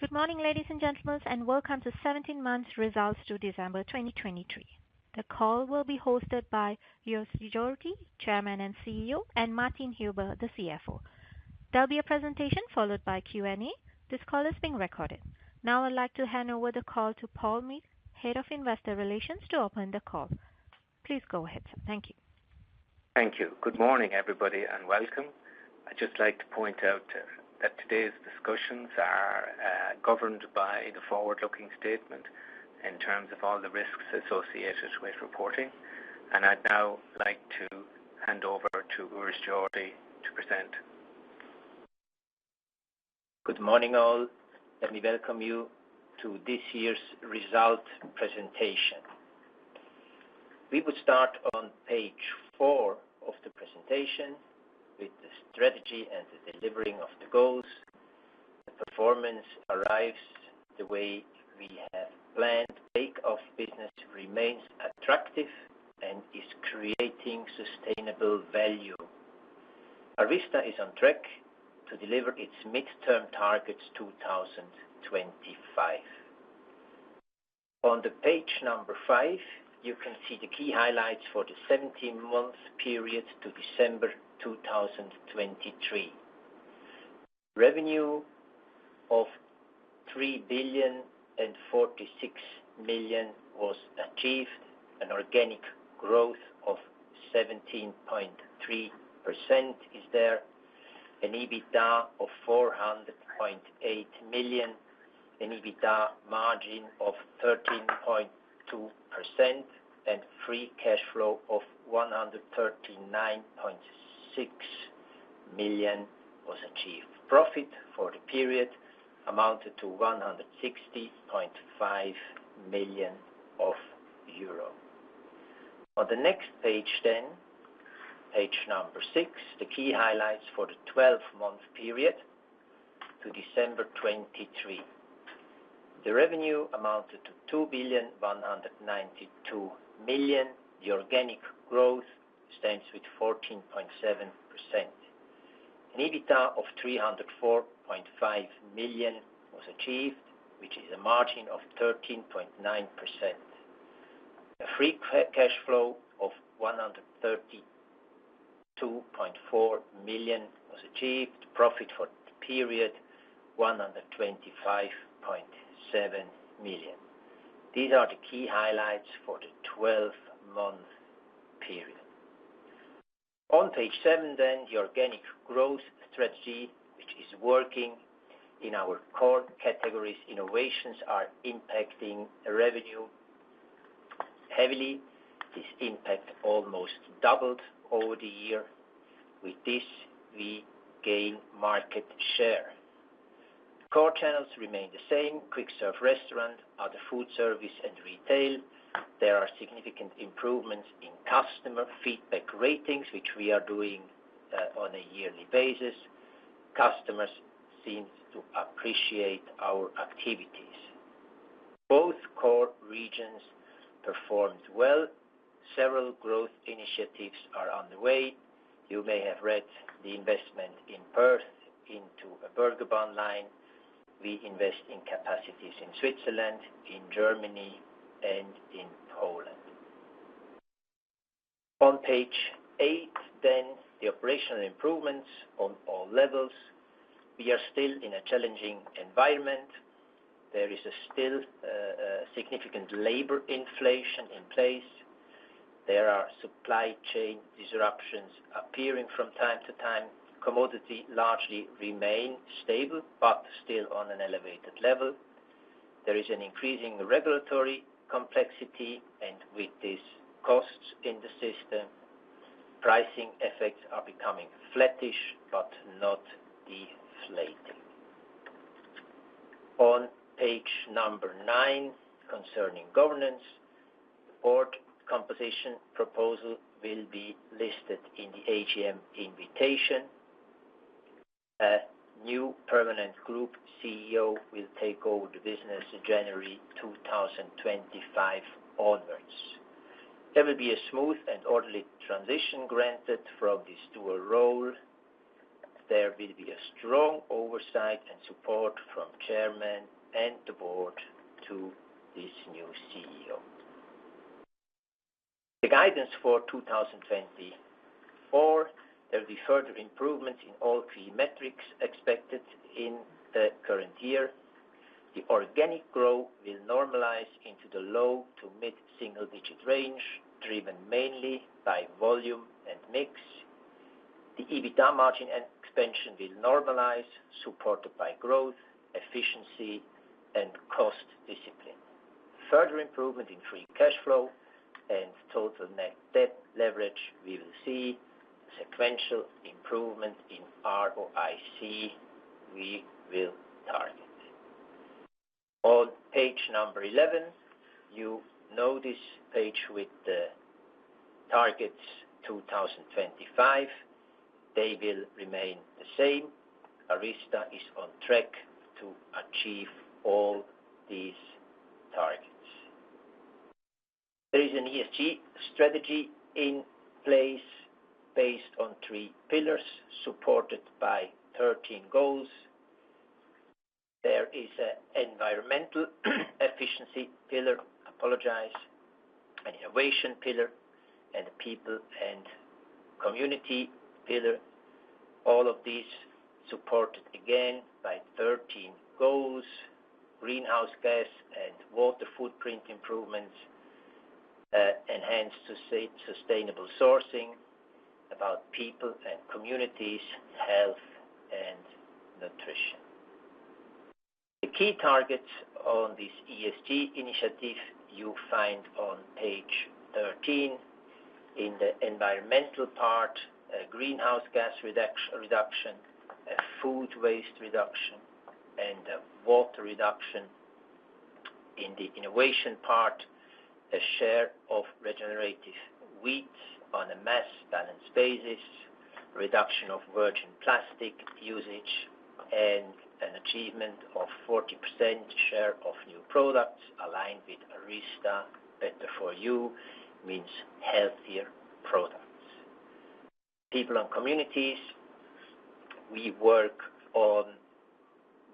Good morning, ladies and gentlemen, and welcome to 17 Months Results to December 2023. The call will be hosted by Urs Jordi, Chairman and CEO, and Martin Huber, the CFO. There'll be a presentation followed by Q&A. This call is being recorded. Now I'd like to hand over the call to Paul Meade, Head of Investor Relations, to open the call. Please go ahead, sir. Thank you. Thank you. Good morning, everybody, and welcome. I'd just like to point out that today's discussions are governed by the forward-looking statement in terms of all the risks associated with reporting. I'd now like to hand over to Urs Jordi to present. Good morning, all. Let me welcome you to this year's result presentation. We would start on page 4 of the presentation with the strategy and the delivering of the goals. The performance arrives the way we have planned. Takeoff business remains attractive and is creating sustainable value. ARYZTA is on track to deliver its midterm targets 2025. On page number 5, you can see the key highlights for the 17-month period to December 2023. Revenue of 3.46 billion was achieved, an organic growth of 17.3% is there, an EBITDA of 400.8 million, an EBITDA margin of 13.2%, and free cash flow of 139.6 million was achieved. Profit for the period amounted to 160.5 million euro. On the next page then, page number 6, the key highlights for the 12-month period to December 2023. The revenue amounted to 2.192 million. The organic growth stands with 14.7%. An EBITDA of 304.5 million was achieved, which is a margin of 13.9%. A free cash flow of 132.4 million was achieved. Profit for the period, 125.7 million. These are the key highlights for the 12-month period. On page 7 then, the organic growth strategy, which is working in our core categories, innovations are impacting revenue heavily. This impact almost doubled over the year. With this, we gain market share. Core channels remain the same: quick-serve restaurant, other food service, and retail. There are significant improvements in customer feedback ratings, which we are doing on a yearly basis. Customers seem to appreciate our activities. Both core regions performed well. Several growth initiatives are underway. You may have read the investment in Perth into a burger bun line. We invest in capacities in Switzerland, in Germany, and in Poland. On page 8 then, the operational improvements on all levels. We are still in a challenging environment. There is still significant labor inflation in place. There are supply chain disruptions appearing from time to time. Commodity largely remains stable but still on an elevated level. There is an increasing regulatory complexity, and with these costs in the system, pricing effects are becoming flatish but not deflating. On page number 9, concerning governance, the board composition proposal will be listed in the AGM invitation. A new permanent group CEO will take over the business January 2025 onwards. There will be a smooth and orderly transition granted from the steward role. There will be a strong oversight and support from Chairman and the board to this new CEO. The guidance for 2024, there will be further improvements in all key metrics expected in the current year. The organic growth will normalize into the low to mid-single-digit range, driven mainly by volume and mix. The EBITDA margin expansion will normalize, supported by growth, efficiency, and cost discipline. Further improvement in free cash flow and total net debt leverage. We will see sequential improvement in ROIC we will target. On page 11, you know this page with the 2025 targets. They will remain the same. ARYZTA is on track to achieve all these targets. There is an ESG strategy in place based on three pillars supported by 13 goals. There is an environmental efficiency pillar, an innovation pillar, and a people and community pillar. All of these supported again by 13 goals: greenhouse gas and water footprint improvements, enhanced sustainable sourcing about people and communities, health, and nutrition. The key targets on this ESG initiative you find on page 13. In the environmental part, greenhouse gas reduction, food waste reduction, and water reduction. In the innovation part, a share of regenerative wheats on a mass balance basis, reduction of virgin plastic usage, and an achievement of 40% share of new products aligned with ARYZTA Better For You, means healthier products. People and communities, we work on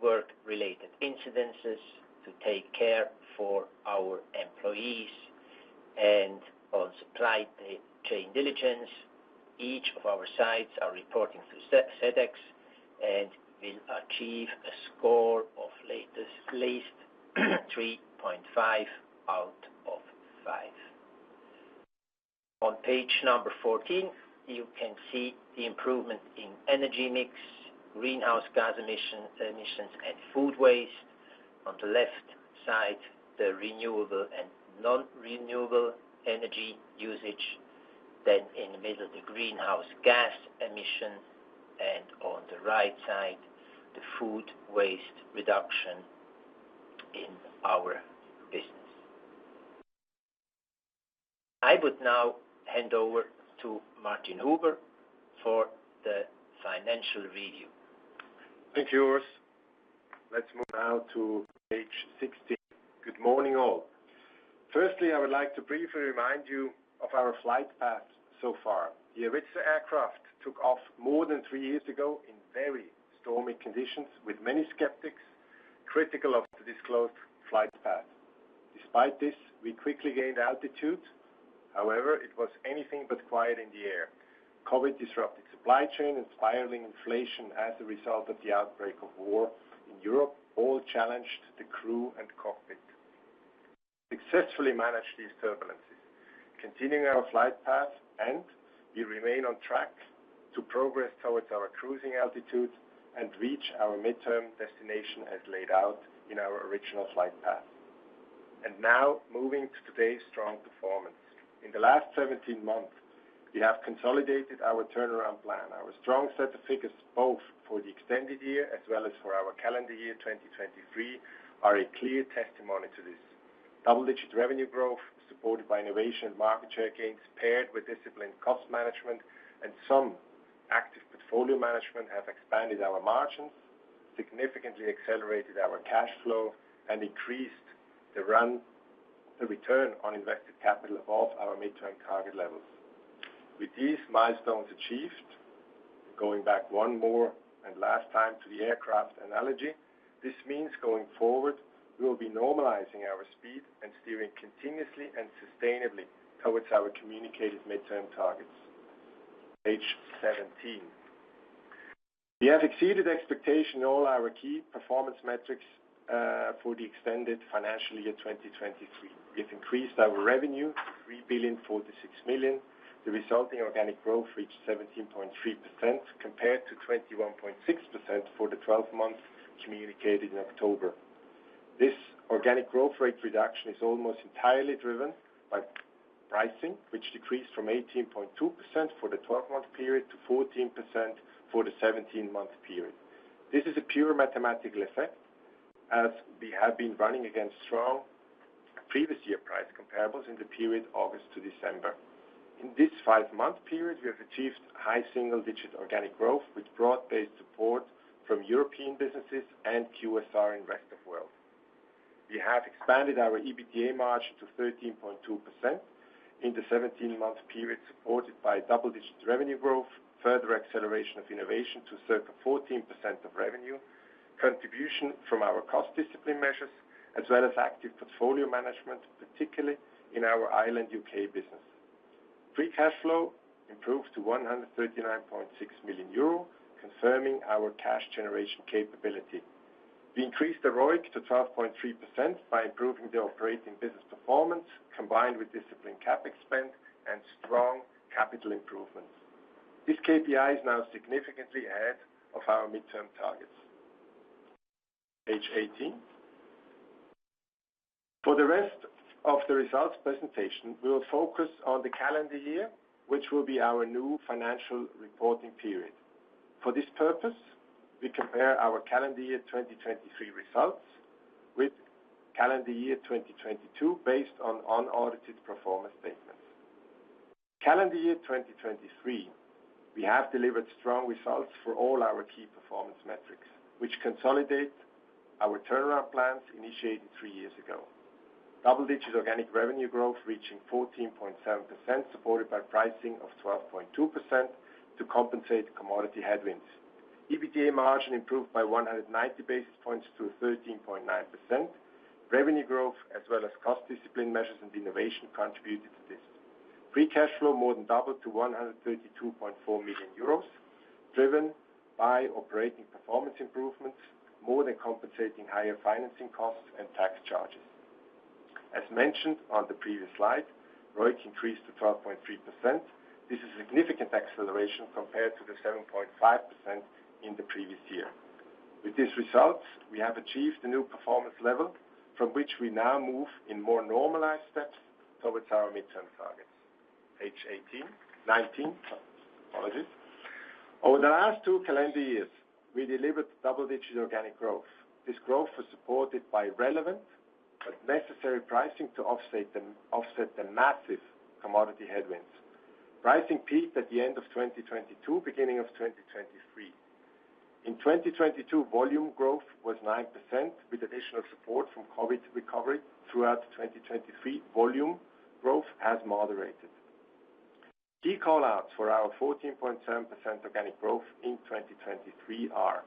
work-related incidents to take care for our employees and on supply chain diligence. Each of our sites are reporting to SEDEX and will achieve a score of at least 3.5 out of 5. On page 14, you can see the improvement in energy mix, greenhouse gas emissions, and food waste. On the left side, the renewable and non-renewable energy usage. Then in the middle, the greenhouse gas emission, and on the right side, the food waste reduction in our business. I would now hand over to Martin Huber for the financial review. Thank you, Urs. Let's move now to page 16. Good morning, all. Firstly, I would like to briefly remind you of our flight path so far. The ARYZTA aircraft took off more than three years ago in very stormy conditions with many skeptics critical of the disclosed flight path. Despite this, we quickly gained altitude. However, it was anything but quiet in the air. COVID disrupted supply chain and spiraling inflation as a result of the outbreak of war in Europe all challenged the crew and cockpit. Successfully managed these turbulences. Continuing our flight path, and we remain on track to progress towards our cruising altitudes and reach our midterm destination as laid out in our original flight path. And now moving to today's strong performance. In the last 17 months, we have consolidated our turnaround plan. Our strong set of figures, both for the extended year as well as for our calendar year 2023, are a clear testimony to this. Double-digit revenue growth supported by innovation and market share gains paired with disciplined cost management and some active portfolio management have expanded our margins, significantly accelerated our cash flow, and increased the return on invested capital above our midterm target levels. With these milestones achieved, going back one more and last time to the aircraft analogy, this means going forward, we will be normalizing our speed and steering continuously and sustainably towards our communicated midterm targets. Page 17. We have exceeded expectation in all our key performance metrics for the extended financial year 2023. We have increased our revenue to 3.046 billion. The resulting organic growth reached 17.3% compared to 21.6% for the 12-month communicated in October. This organic growth rate reduction is almost entirely driven by pricing, which decreased from 18.2% for the 12-month period to 14% for the 17-month period. This is a pure mathematical effect as we have been running against strong previous year price comparables in the period August to December. In this five-month period, we have achieved high single-digit organic growth with broad-based support from European businesses and QSR in the rest of the world. We have expanded our EBITDA margin to 13.2% in the 17-month period supported by double-digit revenue growth, further acceleration of innovation to circa 14% of revenue, contribution from our cost discipline measures, as well as active portfolio management, particularly in our Ireland-UK business. Free cash flow improved to 139.6 million euro, confirming our cash generation capability. We increased the ROIC to 12.3% by improving the operating business performance combined with disciplined capex and strong capital improvements. This KPI is now significantly ahead of our midterm targets. Page 18. For the rest of the results presentation, we will focus on the calendar year, which will be our new financial reporting period. For this purpose, we compare our calendar year 2023 results with calendar year 2022 based on unaudited performance statements. Calendar year 2023, we have delivered strong results for all our key performance metrics, which consolidate our turnaround plans initiated three years ago. Double-digit organic revenue growth reaching 14.7% supported by pricing of 12.2% to compensate commodity headwinds. EBITDA margin improved by 190 basis points to 13.9%. Revenue growth as well as cost discipline measures and innovation contributed to this. Free cash flow more than doubled to 132.4 million euros driven by operating performance improvements more than compensating higher financing costs and tax charges. As mentioned on the previous slide, ROIC increased to 12.3%. This is a significant acceleration compared to the 7.5% in the previous year. With these results, we have achieved a new performance level from which we now move in more normalized steps towards our midterm targets. Page 18. 19. Apologies. Over the last two calendar years, we delivered double-digit organic growth. This growth was supported by relevant but necessary pricing to offset the massive commodity headwinds. Pricing peaked at the end of 2022, beginning of 2023. In 2022, volume growth was 9% with additional support from COVID recovery. Throughout 2023, volume growth has moderated. Key callouts for our 14.7% organic growth in 2023 are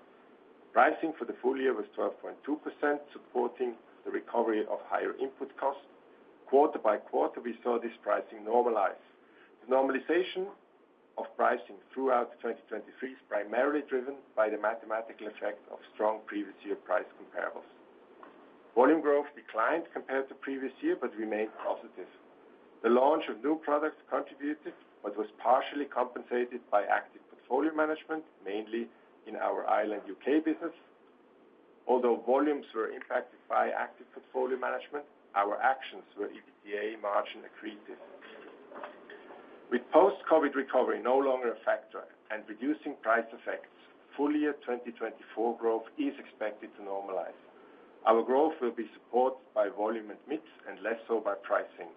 pricing for the full year was 12.2% supporting the recovery of higher input costs. Quarter by quarter, we saw this pricing normalize. The normalization of pricing throughout 2023 is primarily driven by the mathematical effect of strong previous year price comparables. Volume growth declined compared to previous year but remained positive. The launch of new products contributed but was partially compensated by active portfolio management, mainly in our Ireland-UK business. Although volumes were impacted by active portfolio management, our actions were EBITDA margin accretive. With post-COVID recovery no longer a factor and reducing price effects, full year 2024 growth is expected to normalize. Our growth will be supported by volume and mix and less so by pricing.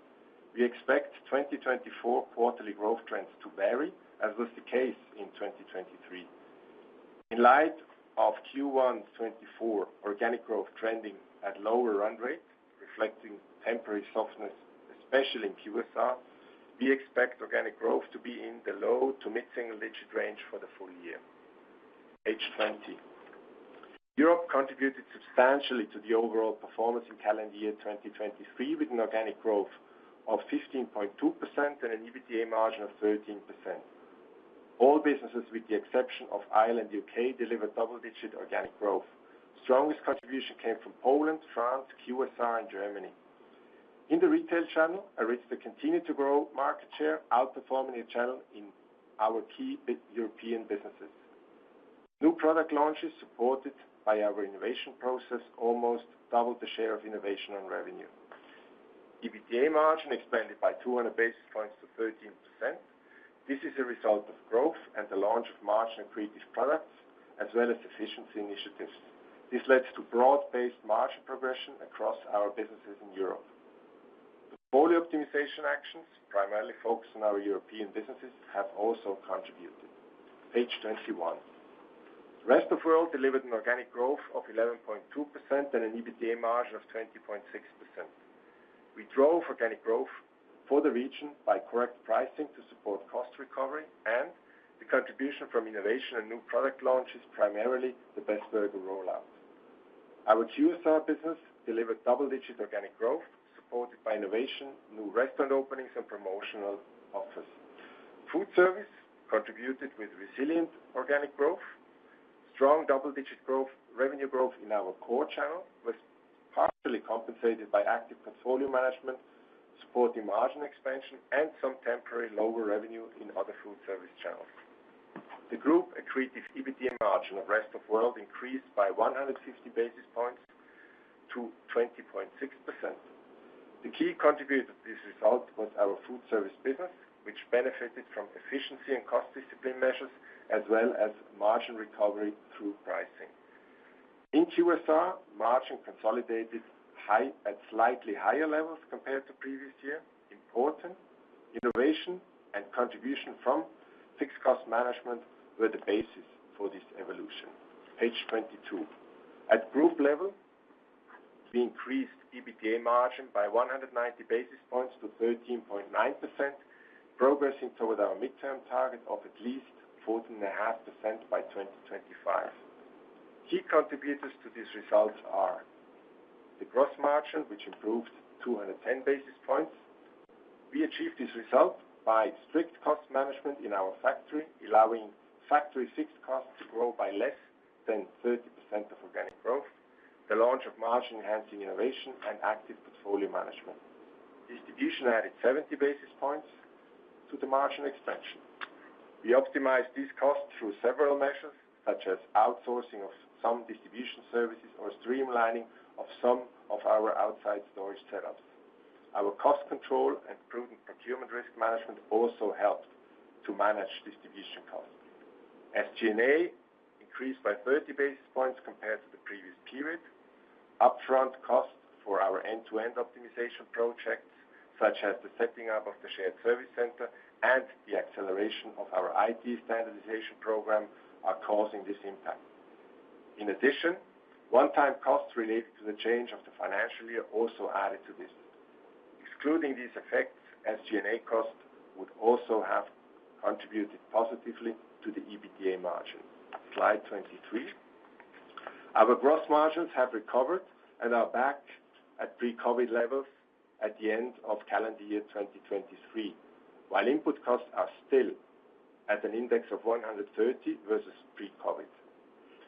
We expect 2024 quarterly growth trends to vary as was the case in 2023. In light of Q1 2024 organic growth trending at lower run rate, reflecting temporary softness, especially in QSR, we expect organic growth to be in the low to mid-single-digit range for the full year. Page 20. Europe contributed substantially to the overall performance in calendar year 2023 with an organic growth of 15.2% and an EBITDA margin of 13%. All businesses with the exception of Ireland-UK delivered double-digit organic growth. Strongest contribution came from Poland, France, QSR, and Germany. In the retail channel, ARYZTA continued to grow market share, outperforming the channel in our key European businesses. New product launches supported by our innovation process almost doubled the share of innovation and revenue. EBITDA margin expanded by 200 basis points to 13%. This is a result of growth and the launch of margin accretive products as well as efficiency initiatives. This led to broad-based margin progression across our businesses in Europe. Portfolio optimization actions, primarily focused on our European businesses, have also contributed. Page 21. The rest of the world delivered an organic growth of 11.2% and an EBITDA margin of 20.6%. We drove organic growth for the region by correct pricing to support cost recovery and the contribution from innovation and new product launches, primarily the Best Burger rollout. Our QSR business delivered double-digit organic growth supported by innovation, new restaurant openings, and promotional offers. Food service contributed with resilient organic growth. Strong double-digit growth, revenue growth in our core channel was partially compensated by active portfolio management, supporting margin expansion, and some temporary lower revenue in other food service channels. The group accretive EBITDA margin of rest of the world increased by 150 basis points to 20.6%. The key contributor to this result was our food service business, which benefited from efficiency and cost discipline measures as well as margin recovery through pricing. In QSR, margin consolidated at slightly higher levels compared to previous year. Importantly, innovation and contribution from fixed cost management were the basis for this evolution. At group level, we increased EBITDA margin by 190 basis points to 13.9%, progressing toward our midterm target of at least 14.5% by 2025. Key contributors to these results are the gross margin, which improved 210 basis points. We achieved this result by strict cost management in our factory, allowing factory fixed costs to grow by less than 30% of organic growth. The launch of margin-enhancing innovation and active portfolio management. Distribution added 70 basis points to the margin expansion. We optimized these costs through several measures such as outsourcing of some distribution services or streamlining of some of our outside storage setups. Our cost control and prudent procurement risk management also helped to manage distribution costs. SG&A increased by 30 basis points compared to the previous period. Upfront costs for our end-to-end optimization projects, such as the setting up of the shared service center and the acceleration of our IT standardization program, are causing this impact. In addition, one-time costs related to the change of the financial year also added to this. Excluding these effects, SG&A costs would also have contributed positively to the EBITDA margin. Slide 23. Our gross margins have recovered and are back at pre-COVID levels at the end of calendar year 2023 while input costs are still at an index of 130 versus pre-COVID.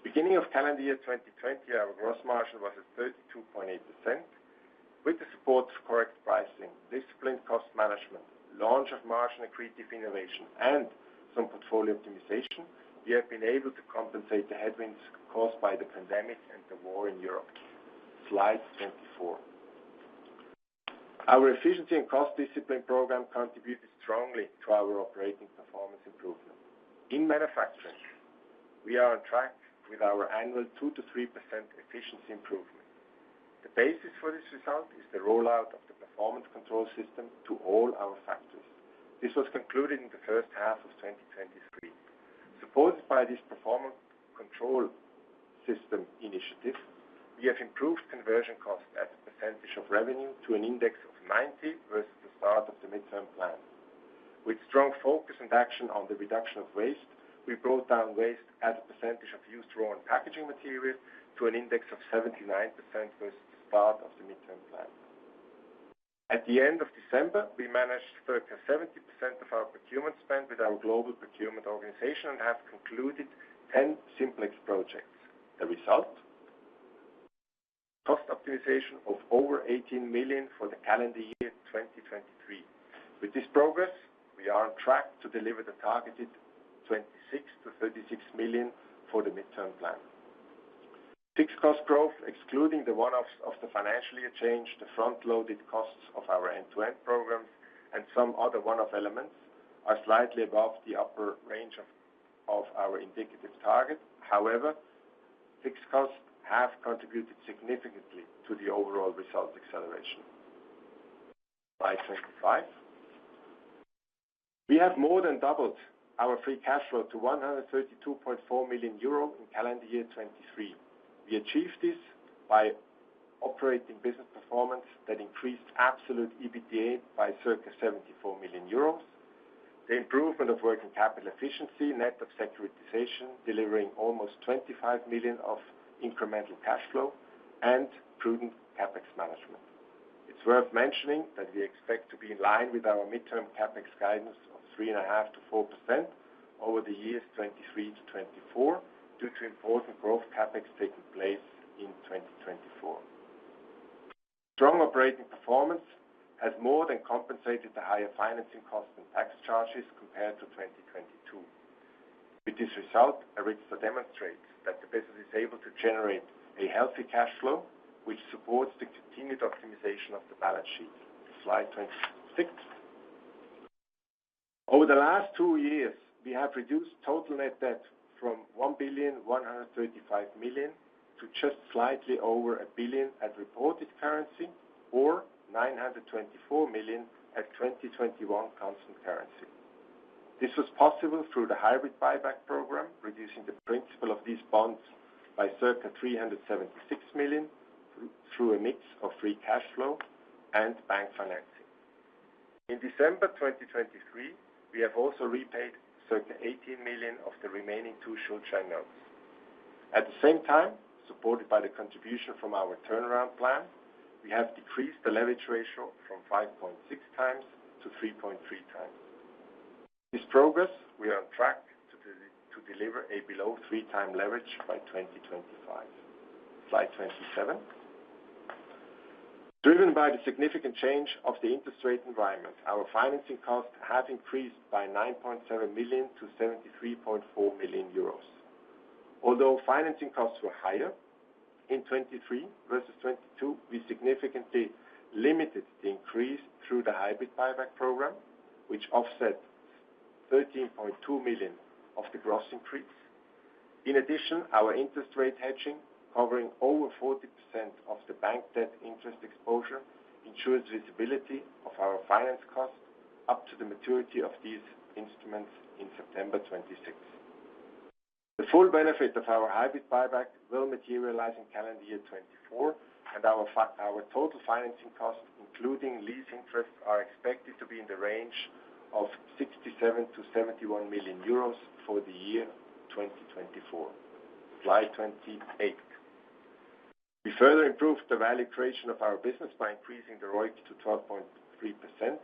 Beginning of calendar year 2020, our gross margin was at 32.8%. With the support of correct pricing, disciplined cost management, launch of margin accretive innovation, and some portfolio optimization, we have been able to compensate the headwinds caused by the pandemic and the war in Europe. Slide 24. Our efficiency and cost discipline program contributed strongly to our operating performance improvement. In manufacturing, we are on track with our annual 2%-3% efficiency improvement. The basis for this result is the rollout of the performance control system to all our factories. This was concluded in the first half of 2023. Supported by this performance control system initiative, we have improved conversion costs at a percentage of revenue to an index of 90 versus the start of the midterm plan. With strong focus and action on the reduction of waste, we brought down waste at a percentage of used raw and packaging materials to an index of 79% versus the start of the midterm plan. At the end of December, we managed circa 70% of our procurement spend with our global procurement organization and have concluded 10 Simplex Projects. The result? Cost optimization of over 18 million for the calendar year 2023. With this progress, we are on track to deliver the targeted 26 million-36 million for the midterm plan. Fixed cost growth, excluding the one-offs of the financial year change, the front-loaded costs of our end-to-end programs, and some other one-off elements are slightly above the upper range of our indicative target. However, fixed costs have contributed significantly to the overall results acceleration. Slide 25. We have more than doubled our free cash flow to 132.4 million euro in calendar year 2023. We achieved this by operating business performance that increased absolute EBITDA by circa 74 million euros. The improvement of working capital efficiency, net of securitization, delivering almost 25 million of incremental cash flow, and prudent CapEx management. It's worth mentioning that we expect to be in line with our midterm capex guidance of 3.5%-4% over the years 2023 to 2024 due to important growth capex taking place in 2024. Strong operating performance has more than compensated the higher financing costs and tax charges compared to 2022. With this result, ARYZTA demonstrates that the business is able to generate a healthy cash flow, which supports the continued optimization of the balance sheet. Slide 26. Over the last two years, we have reduced total net debt from 1,135 million to just slightly over 1 billion at reported currency or 924 million at 2021 constant currency. This was possible through the hybrid buyback program, reducing the principal of these bonds by circa 376 million through a mix of free cash flow and bank financing. In December 2023, we have also repaid circa 18 million of the remaining two Schuldschein notes. At the same time, supported by the contribution from our turnaround plan, we have decreased the leverage ratio from 5.6x to 3.3x. With this progress, we are on track to deliver a below 3x leverage by 2025. Slide 27. Driven by the significant change of the interest rate environment, our financing costs have increased by 9.7 million to 73.4 million euros. Although financing costs were higher in 2023 versus 2022, we significantly limited the increase through the hybrid buyback program, which offset 13.2 million of the gross increase. In addition, our interest rate hedging, covering over 40% of the bank debt interest exposure, ensures visibility of our finance costs up to the maturity of these instruments in September 2026. The full benefit of our hybrid buyback will materialize in calendar year 2024, and our total financing costs, including lease interest, are expected to be in the range of 67 million-71 million euros for the year 2024. Slide 28. We further improved the value creation of our business by increasing the ROIC to 12.3%.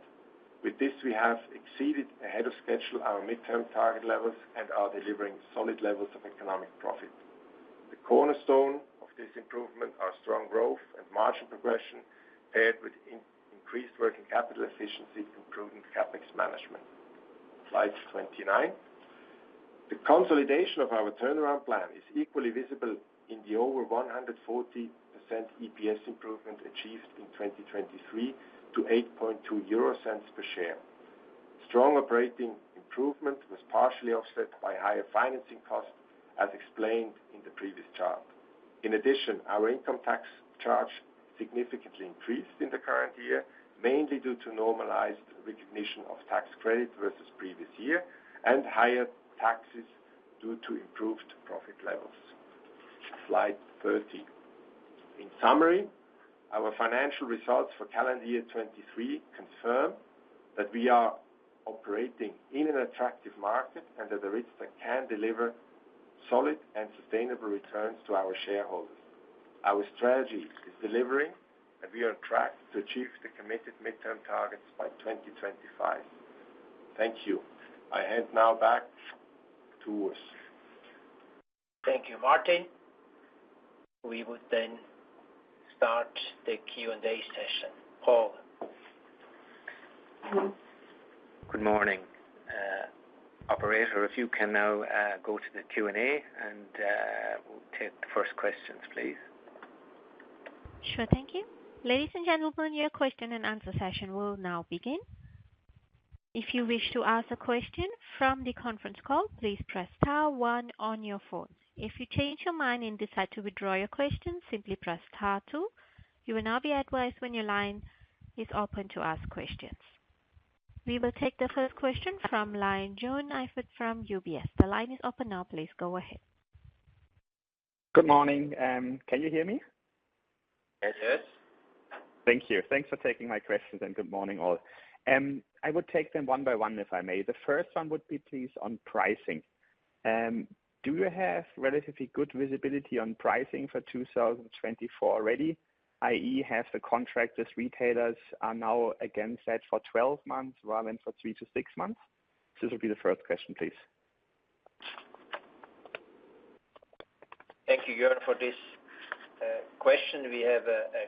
With this, we have exceeded ahead of schedule our midterm target levels and are delivering solid levels of economic profit. The cornerstone of this improvement is strong growth and margin progression paired with increased working capital efficiency and prudent CapEx management. Slide 29. The consolidation of our turnaround plan is equally visible in the over 140% EPS improvement achieved in 2023 to 0.082 per share. Strong operating improvement was partially offset by higher financing costs, as explained in the previous chart. In addition, our income tax charge significantly increased in the current year, mainly due to normalized recognition of tax credit versus previous year and higher taxes due to improved profit levels. Slide 30. In summary, our financial results for calendar year 2023 confirm that we are operating in an attractive market and that ARYZTA can deliver solid and sustainable returns to our shareholders. Our strategy is delivering, and we are on track to achieve the committed midterm targets by 2025. Thank you. I hand now back to Urs. Thank you, Martin. We would then start the Q&A session. Paul. Good morning. Operator, if you can now go to the Q&A and take the first questions, please. Sure. Thank you. Ladies and gentlemen, your question and answer session will now begin. If you wish to ask a question from the conference call, please press star one on your phone. If you change your mind and decide to withdraw your question, simply press star two. You will now be advised when your line is open to ask questions. We will take the first question from line Joern Iffert from UBS. The line is open now. Please go ahead. Good morning. Can you hear me? Yes, yes. Thank you. Thanks for taking my questions, and good morning, all. I would take them one by one, if I may. The first one would be, please, on pricing. Do you have relatively good visibility on pricing for 2024 already, i.e., have the contractors, retailers are now against that for 12 months rather than for 3-6 months? This would be the first question, please. Thank you, Jon, for this question. We have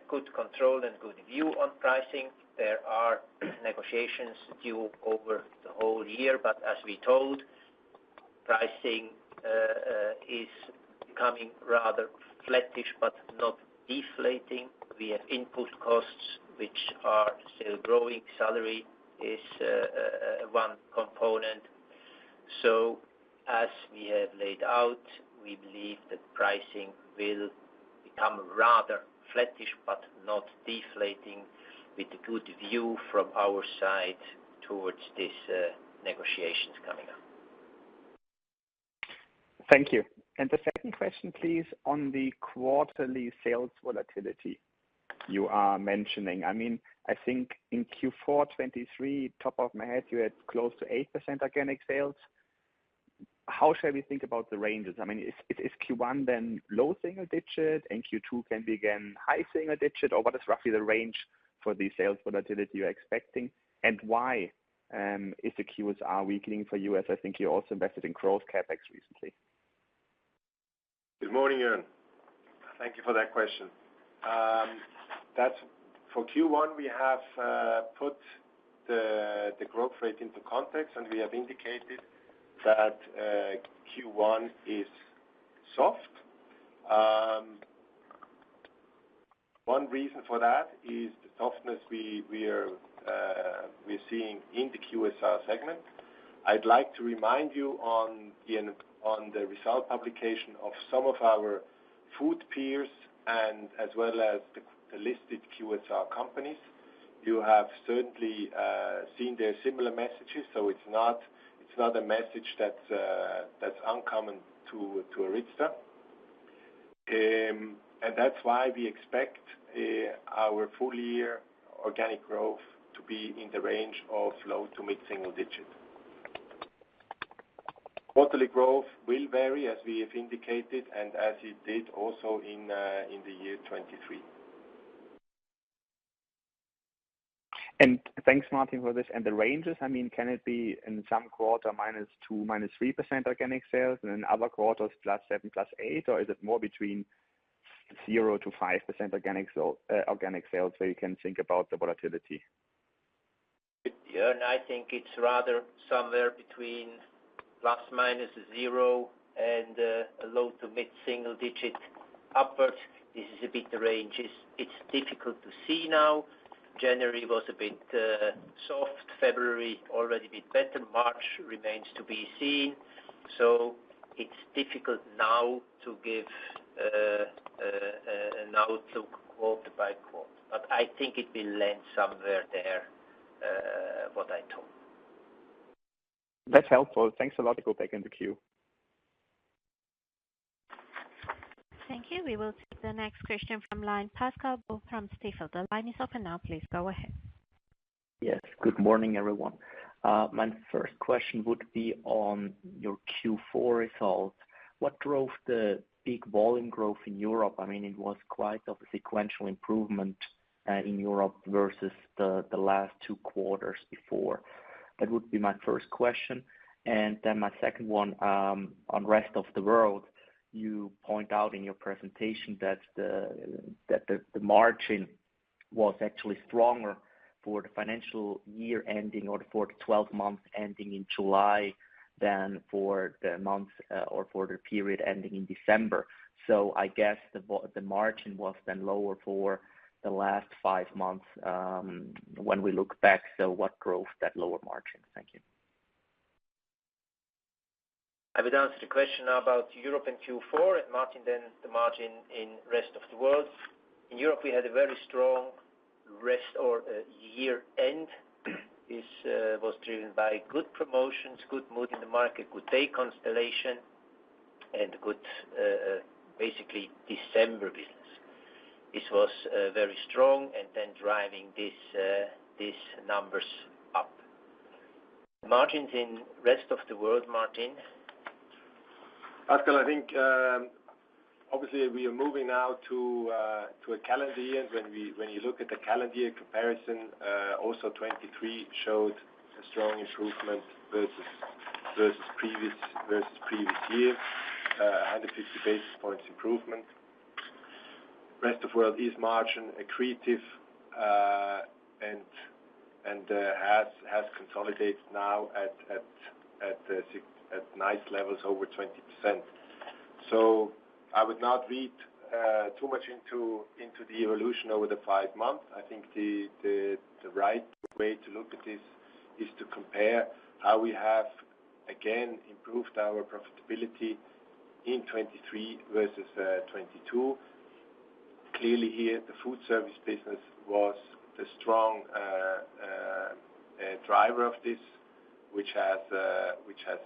good control and good view on pricing. There are negotiations due over the whole year, but as we told, pricing is becoming rather flattish but not deflating. We have input costs, which are still growing. Salary is one component. So, as we have laid out, we believe that pricing will become rather flattish but not deflating with a good view from our side towards these negotiations coming up. Thank you. And the second question, please, on the quarterly sales volatility you are mentioning. I mean, I think in Q4 2023, top of my head, you had close to 8% organic sales. How should we think about the ranges? I mean, is Q1 then low single digit, and Q2 can be again high single digit, or what is roughly the range for the sales volatility you're expecting, and why is the QSR weakening for you as I think you also invested in growth Capex recently? Good morning, Jon. Thank you for that question. For Q1, we have put the growth rate into context, and we have indicated that Q1 is soft. One reason for that is the softness we are seeing in the QSR segment. I'd like to remind you on the result publication of some of our food peers and as well as the listed QSR companies, you have certainly seen their similar messages, so it's not a message that's uncommon to ARYZTA. And that's why we expect our full-year organic growth to be in the range of low to mid single digit. Quarterly growth will vary, as we have indicated and as it did also in the year 2023. Thanks, Martin, for this. The ranges, I mean, can it be in some quarter -2%, -3% organic sales and in other quarters +7, +8, or is it more between 0%-5% organic sales where you can think about the volatility? Jon, I think it's rather somewhere between ±0% and a low to mid single digit upwards. This is a bit the range. It's difficult to see now. January was a bit soft, February already a bit better, March remains to be seen. So it's difficult now to give an outlook quarter by quarter. But I think it will land somewhere there, what I told. That's helpful. Thanks a lot to go back in the queue. Thank you. We will take the next question from line Pascal from Stifel, The line is open now. Please go ahead. Yes. Good morning, everyone. My first question would be on your Q4 result. What drove the big volume growth in Europe? I mean, it was quite a sequential improvement in Europe versus the last two quarters before. That would be my first question. And then my second one, on the rest of the world, you point out in your presentation that the margin was actually stronger for the financial year ending or for the 12-month ending in July than for the months or for the period ending in December. So I guess the margin was then lower for the last five months when we look back. So what drove that lower margin? Thank you. I would answer the question now about Europe in Q4 and, Martin, then the margin in the rest of the world. In Europe, we had a very strong year-end. This was driven by good promotions, good mood in the market, good day constellation, and good, basically, December business. This was very strong and then driving these numbers up. Margins in the rest of the world, Martin? Pascal, I think, obviously, we are moving now to a calendar year. When you look at the calendar year comparison, also 2023 showed a strong improvement versus previous year, 150 basis points improvement. The rest of the world is margin accretive and has consolidated now at nice levels over 20%. So I would not read too much into the evolution over the five months. I think the right way to look at this is to compare how we have, again, improved our profitability in 2023 versus 2022. Clearly here, the food service business was the strong driver of this, which has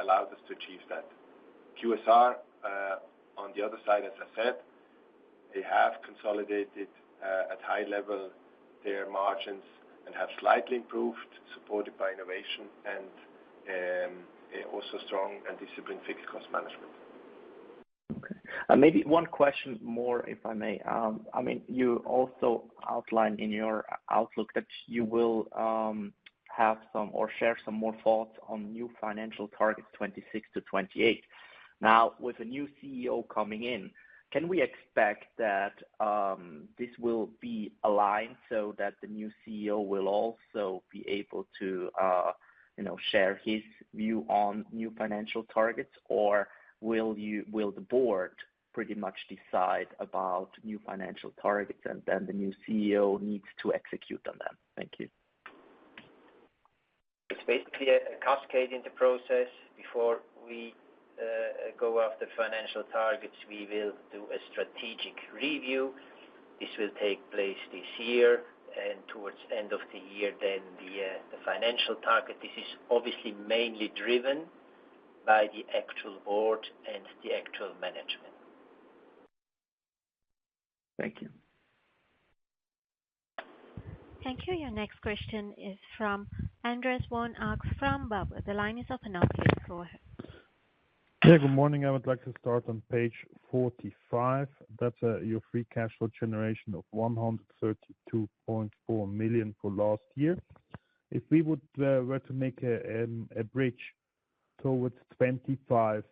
allowed us to achieve that. QSR, on the other side, as I said, they have consolidated at high level their margins and have slightly improved, supported by innovation and also strong and disciplined fixed cost management. Okay. Maybe one question more, if I may. I mean, you also outline in your outlook that you will have some or share some more thoughts on new financial targets 2026 to 2028. Now, with a new CEO coming in, can we expect that this will be aligned so that the new CEO will also be able to share his view on new financial targets, or will the board pretty much decide about new financial targets and then the new CEO needs to execute on them? Thank you. It's basically a cascade in the process. Before we go after financial targets, we will do a strategic review. This will take place this year, and towards the end of the year, then the financial target. This is obviously mainly driven by the actual board and the actual management. Thank you. Thank you. Your next question is from Andreas von Arx from Baader Bank. The line is open now. Please go ahead. Yeah. Good morning. I would like to start on page 45. That's your free cash flow generation of 132.4 million for last year. If we were to make a bridge towards 2025,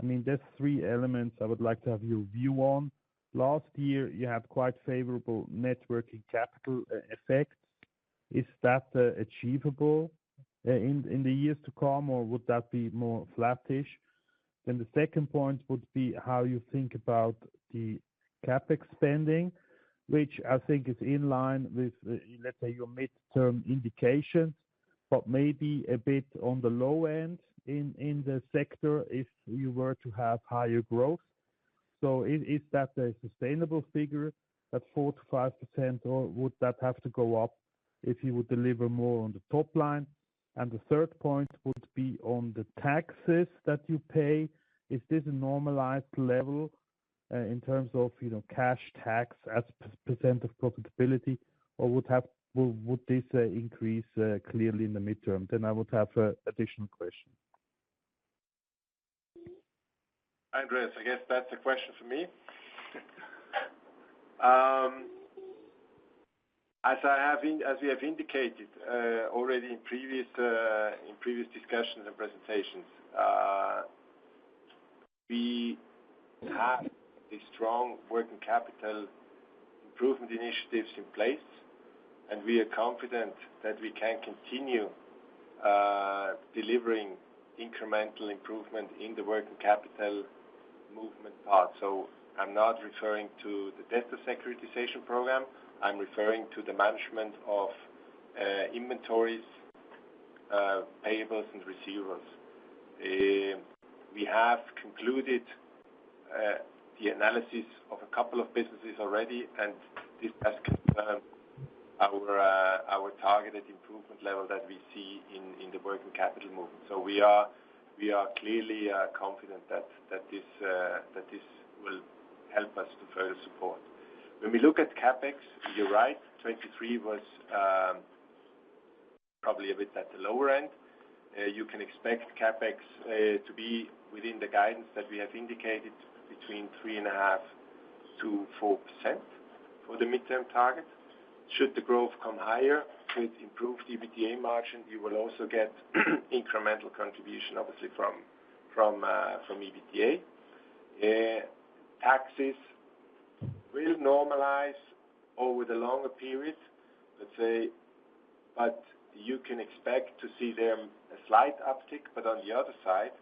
I mean, there's three elements I would like to have your view on. Last year, you had quite favorable net working capital effects. Is that achievable in the years to come, or would that be more flattish? Then the second point would be how you think about the CapEx spending, which I think is in line with, let's say, your midterm indications but maybe a bit on the low end in the sector if you were to have higher growth. So is that a sustainable figure at 4%-5%, or would that have to go up if you would deliver more on the top line? And the third point would be on the taxes that you pay. Is this a normalized level in terms of cash tax as % of profitability, or would this increase clearly in the midterm? Then I would have an additional question. Andreas, I guess that's a question for me. As we have indicated already in previous discussions and presentations, we have the strong working capital improvement initiatives in place, and we are confident that we can continue delivering incremental improvement in the working capital movement part. So I'm not referring to the debtor securitization program. I'm referring to the management of inventories, payables, and receivers. We have concluded the analysis of a couple of businesses already, and this has confirmed our targeted improvement level that we see in the working capital movement. So we are clearly confident that this will help us to further support. When we look at CapEx, you're right. 2023 was probably a bit at the lower end. You can expect CapEx to be within the guidance that we have indicated, between 3.5%-4% for the midterm target. Should the growth come higher with improved EBITDA margin, you will also get incremental contribution, obviously, from EBITDA. Taxes will normalize over the longer period, let's say, but you can expect to see there a slight uptick. But on the other side,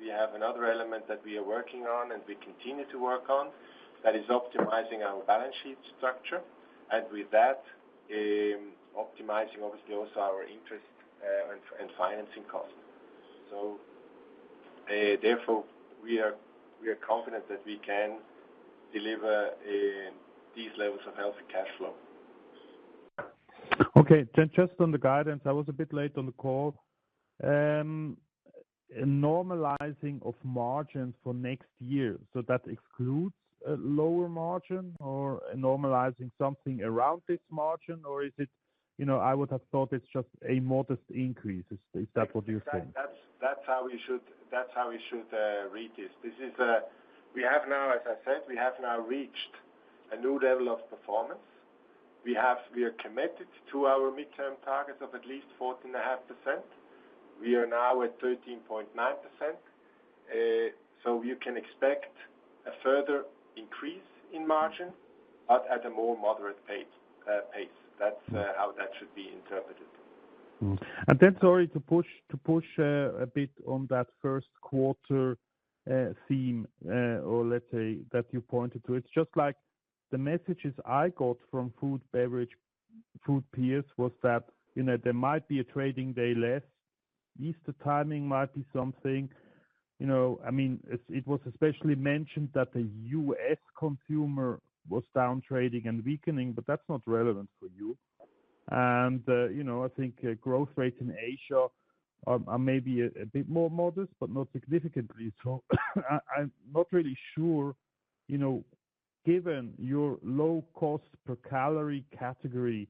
we have another element that we are working on and we continue to work on that is optimizing our balance sheet structure and, with that, optimizing, obviously, also our interest and financing costs. So therefore, we are confident that we can deliver these levels of healthy cash flow. Okay. Then just on the guidance, I was a bit late on the call. Normalizing of margins for next year, so that excludes a lower margin or normalizing something around this margin, or is it I would have thought it's just a modest increase. Is that what you're saying? That's how we should read this. We have now, as I said, we have now reached a new level of performance. We are committed to our midterm targets of at least 14.5%. We are now at 13.9%. So you can expect a further increase in margin but at a more moderate pace. That's how that should be interpreted. And then, sorry, to push a bit on that first quarter theme or, let's say, that you pointed to, it's just like the messages I got from food peers was that there might be a trading day less. Easter timing might be something. I mean, it was especially mentioned that the U.S. consumer was down trading and weakening, but that's not relevant for you. And I think growth rates in Asia are maybe a bit more modest but not significantly. So I'm not really sure, given your low-cost-per-calorie category,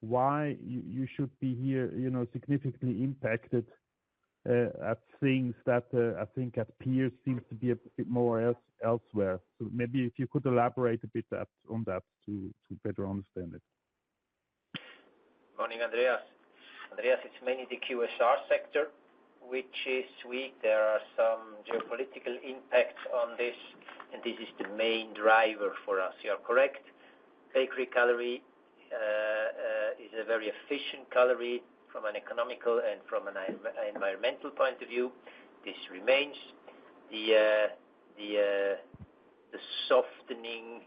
why you should be here significantly impacted at things that, I think, at peers seems to be a bit more elsewhere. So maybe if you could elaborate a bit on that to better understand it. Morning, Andreas. Andreas, it's mainly the QSR sector, which is weak. There are some geopolitical impacts on this, and this is the main driver for us. You are correct. Bakery calorie is a very efficient calorie from an economical and from an environmental point of view. This remains. The softening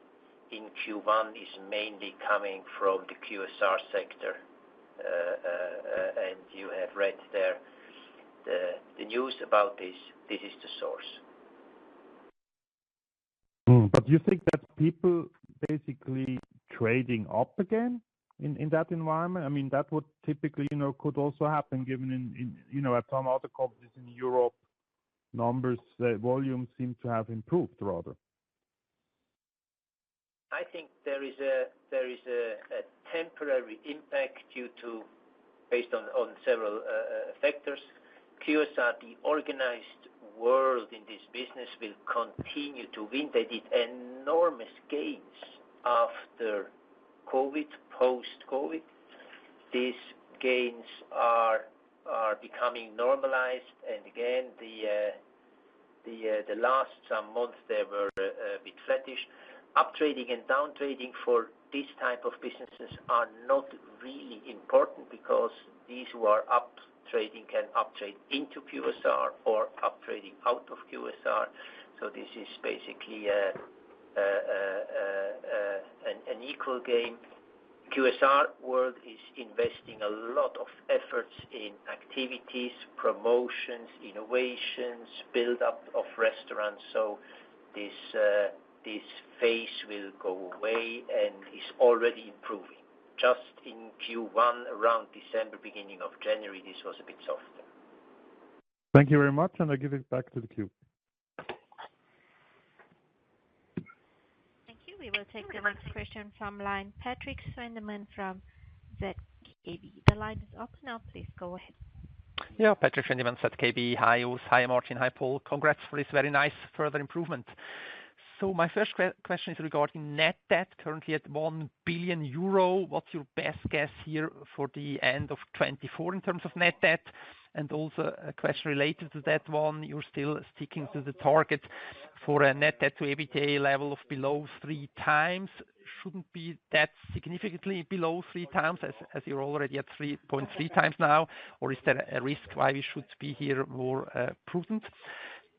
in Q1 is mainly coming from the QSR sector, and you have read there the news about this. This is the source. But do you think that people basically trading up again in that environment? I mean, that would typically could also happen given at some other companies in Europe, volumes seem to have improved, rather. I think there is a temporary impact based on several factors. QSR, the organized world in this business, will continue to win. They did enormous gains after COVID, post-COVID. These gains are becoming normalized. And again, the last some months, they were a bit flattish. Uptrading and downtrading for this type of businesses are not really important because these who are uptrading can uptrade into QSR or uptrading out of QSR. So this is basically an equal game. QSR world is investing a lot of efforts in activities, promotions, innovations, buildup of restaurants. So this phase will go away and is already improving. Just in Q1, around December, beginning of January, this was a bit softer. Thank you very much, and I give it back to the queue. Thank you. We will take the next question from line Patrick Schwendimann from ZKB. The line is open now. Please go ahead. Yeah. Patrik Schwendimann at ZKB. Hi, Urs. Hi, Martin. Hi, Paul. Congrats for this very nice further improvement. So my first question is regarding net debt. Currently at 1 billion euro, what's your best guess here for the end of 2024 in terms of net debt? And also a question related to that one. You're still sticking to the target for a net debt to EBITDA level of below 3x. Shouldn't be that significantly below 3x as you're already at 3.3x now, or is there a risk why we should be here more prudent?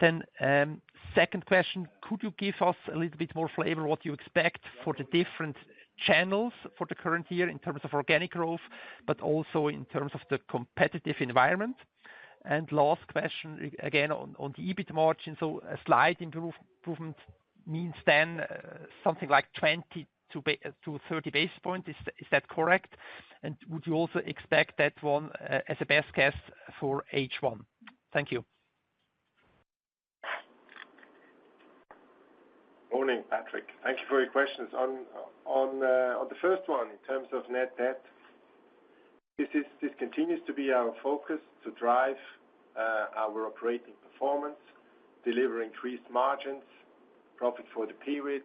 Then second question, could you give us a little bit more flavor, what you expect for the different channels for the current year in terms of organic growth but also in terms of the competitive environment? And last question, again, on the EBIT margin. A slight improvement means then something like 20-30 basis points. Is that correct? And would you also expect that one as a best guess for H1? Thank you. Morning, Patrick. Thank you for your questions. On the first one, in terms of net debt, this continues to be our focus to drive our operating performance, deliver increased margins, profit for the period,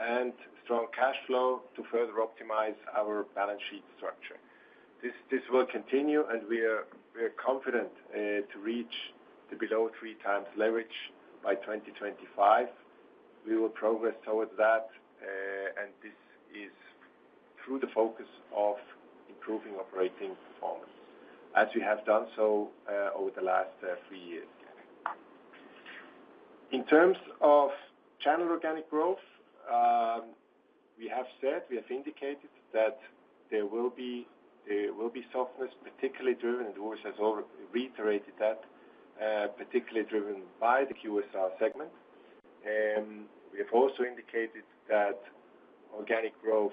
and strong cash flow to further optimize our balance sheet structure. This will continue, and we are confident to reach the below 3x leverage by 2025. We will progress towards that, and this is through the focus of improving operating performance as we have done so over the last 3 years. In terms of channel organic growth, we have said, we have indicated that there will be softness, particularly driven, and Urs has already reiterated that, particularly driven by the QSR segment. We have also indicated that organic growth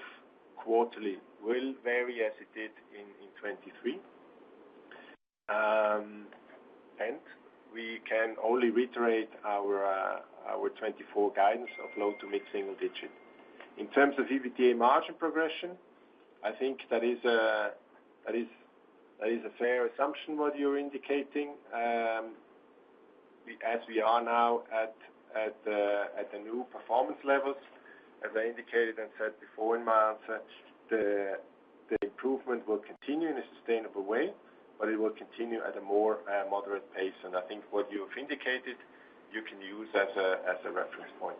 quarterly will vary as it did in 2023, and we can only reiterate our 2024 guidance of low- to mid-single-digit. In terms of EBITDA margin progression, I think that is a fair assumption what you're indicating as we are now at the new performance levels. As I indicated and said before in my answer, the improvement will continue in a sustainable way, but it will continue at a more moderate pace. And I think what you have indicated, you can use as a reference point.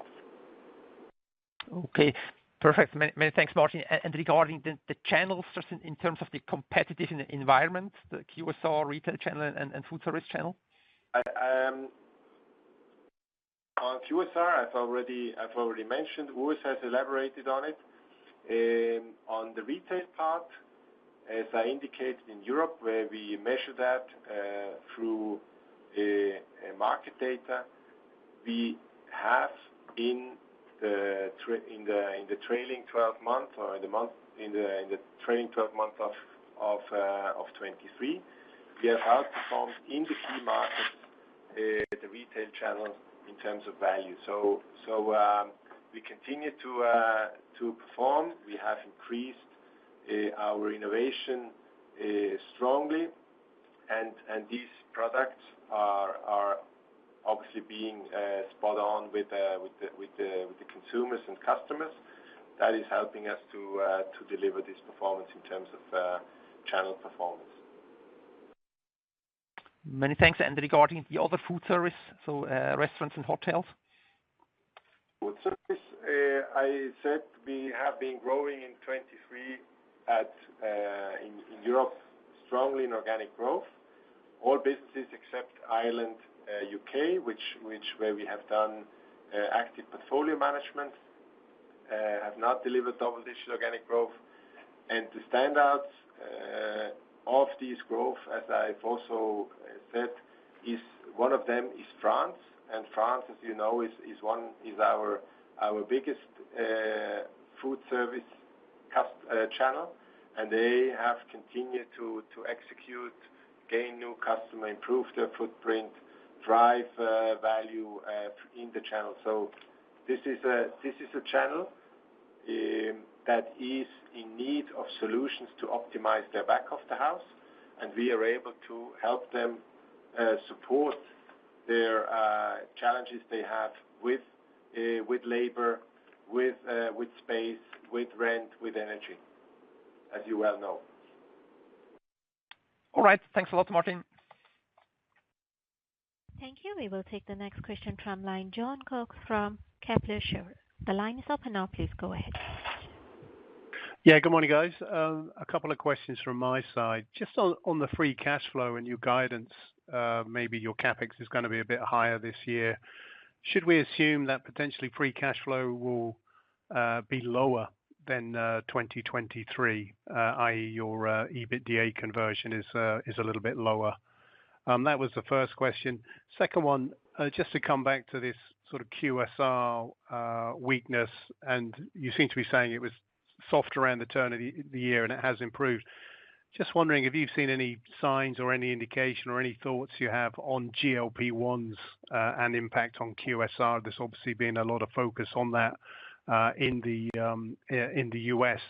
Okay. Perfect. Many thanks, Martin. And regarding the channels in terms of the competitive environment, the QSR retail channel and food service channel? On QSR, I've already mentioned. Urs has elaborated on it. On the retail part, as I indicated in Europe, where we measure that through market data, we have, in the trailing 12 months or in the trailing 12 months of 2023, we have outperformed in the key markets the retail channel in terms of value. So we continue to perform. We have increased our innovation strongly, and these products are obviously being spot-on with the consumers and customers. That is helping us to deliver this performance in terms of channel performance. Many thanks. And regarding the other food service, so restaurants and hotels? Food service, I said we have been growing in 2023 in Europe strongly in organic growth, all businesses except Ireland, U.K., where we have done active portfolio management, have not delivered double-digit organic growth. And the standouts of this growth, as I've also said, one of them is France. France, as you know, is our biggest food service channel, and they have continued to execute, gain new customers, improve their footprint, drive value in the channel. This is a channel that is in need of solutions to optimize their back of the house, and we are able to help them support their challenges they have with labour, with space, with rent, with energy, as you well know. All right. Thanks a lot, Martin. Thank you. We will take the next question from line Jon Cox from Kepler Cheuvreux. The line is open now. Please go ahead. Yeah. Good morning, guys. A couple of questions from my side. Just on the free cash flow and your guidance, maybe your Capex is going to be a bit higher this year. Should we assume that potentially free cash flow will be lower than 2023, i.e., your EBITDA conversion is a little bit lower? That was the first question. Second one, just to come back to this sort of QSR weakness, and you seem to be saying it was soft around the turn of the year, and it has improved. Just wondering if you've seen any signs or any indication or any thoughts you have on GLP-1s and impact on QSR, this obviously being a lot of focus on that in the U.S.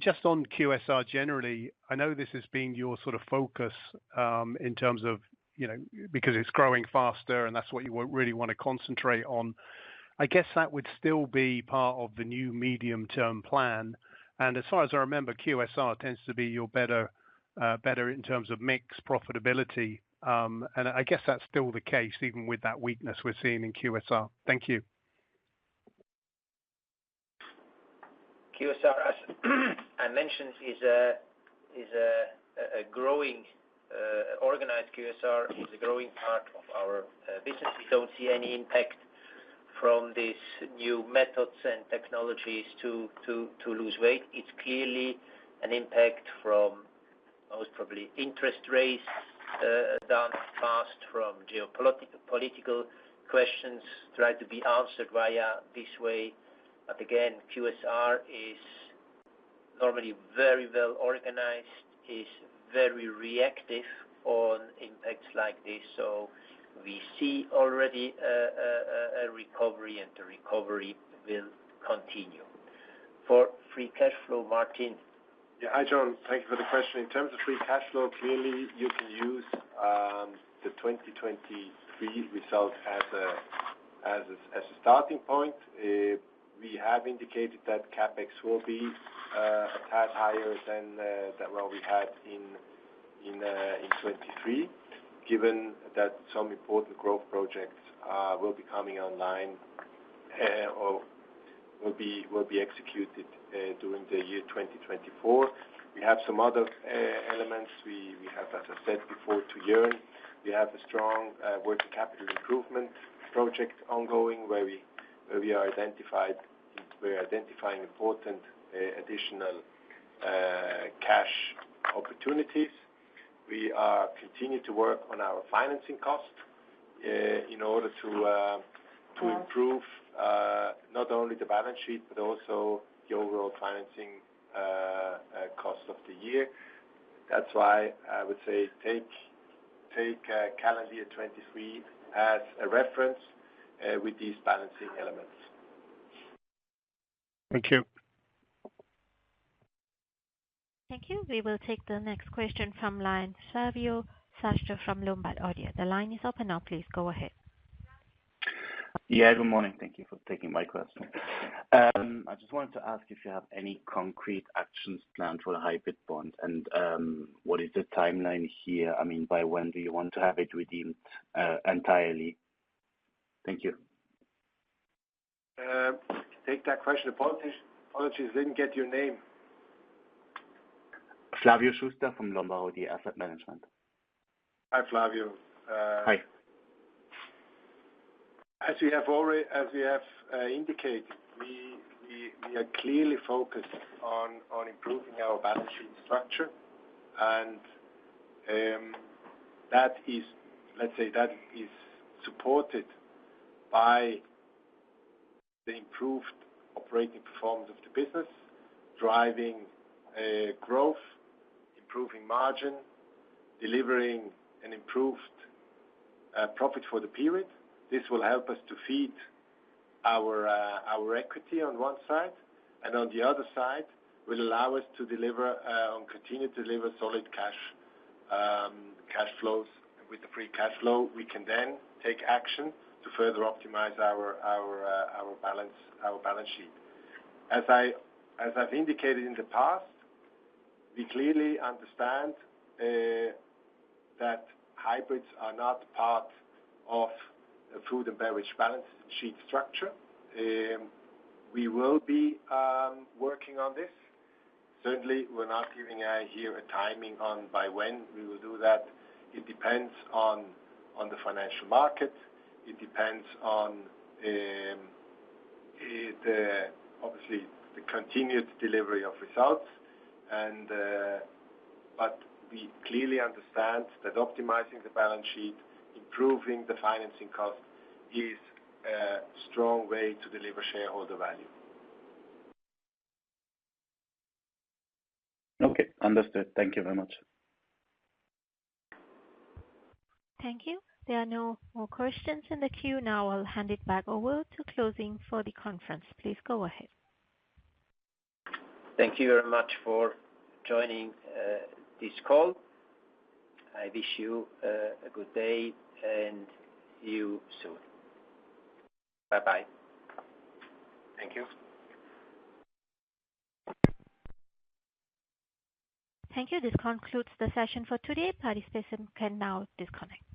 Just on QSR generally, I know this has been your sort of focus in terms of because it's growing faster, and that's what you really want to concentrate on. I guess that would still be part of the new medium-term plan. As far as I remember, QSR tends to be your better in terms of mix profitability. I guess that's still the case even with that weakness we're seeing in QSR. Thank you. QSR, as I mentioned, is a growing organized QSR is a growing part of our business. We don't see any impact from these new methods and technologies to lose weight. It's clearly an impact from most probably interest rates done fast from geopolitical questions tried to be answered via this way. But again, QSR is normally very well organized, is very reactive on impacts like this. So we see already a recovery, and the recovery will continue. For free cash flow, Martin. Yeah. Hi, Jon. Thank you for the question. In terms of free cash flow, clearly, you can use the 2023 result as a starting point. We have indicated that CapEx will be a tad higher than what we had in 2023 given that some important growth projects will be coming online or will be executed during the year 2024. We have some other elements. We have, as I said before, in turn, we have a strong working capital improvement project ongoing where we are identifying important additional cash opportunities. We continue to work on our financing cost in order to improve not only the balance sheet but also the overall financing cost of the year. That's why I would say take calendar year 2023 as a reference with these balancing elements. Thank you. Thank you. We will take the next question from the line of Flavio Schuster from Lombard Odier. The line is open now. Please go ahead. Yeah. Good morning. Thank you for taking my question. I just wanted to ask if you have any concrete actions planned for the hybrid bond, and what is the timeline here? I mean, by when do you want to have it redeemed entirely? Thank you. Take that question. Apologies. Didn't get your name. Flavio Schuster from Lombard Odier Asset Management. Hi, Flavio. Hi. As we have indicated, we are clearly focused on improving our balance sheet structure, and let's say that is supported by the improved operating performance of the business driving growth, improving margin, delivering an improved profit for the period. This will help us to feed our equity on one side, and on the other side, will allow us to continue to deliver solid cash flows. With the free cash flow, we can then take action to further optimize our balance sheet. As I've indicated in the past, we clearly understand that hybrids are not part of a food and beverage balance sheet structure. We will be working on this. Certainly, we're not giving here a timing on by when we will do that. It depends on the financial market. It depends on, obviously, the continued delivery of results. But we clearly understand that optimizing the balance sheet, improving the financing cost is a strong way to deliver shareholder value. Okay. Understood. Thank you very much. Thank you. There are no more questions in the queue. Now, I'll hand it back over to closing for the conference. Please go ahead. Thank you very much for joining this call. I wish you a good day, and see you soon. Bye-bye. Thank you. Thank you. This concludes the session for today. Participants can now disconnect.